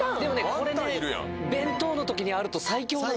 これね弁当のときにあると最強なのよ。